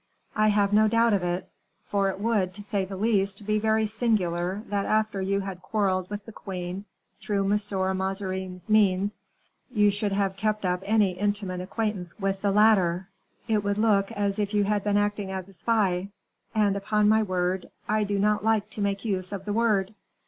"I have no doubt of it, for it would, to say the least, be very singular, that after you had quarreled with the queen through M. Mazarin's means, you should have kept up any intimate acquaintance with the latter; it would look as if you had been acting as a spy; and upon my word, I do not like to make use of the word."